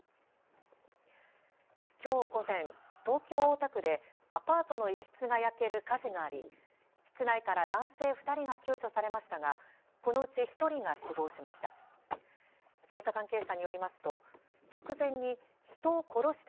きょう午前、東京大田区でアパートの一室が焼ける火事があり室内から男性２人が救助されましたがこのうち１人が死亡しました。